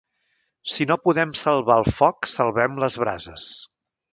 Si no podem salvar el foc, salvem les brases.